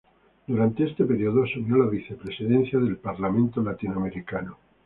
Durante este período asumió la vicepresidencia del Parlamento Latinoamericano.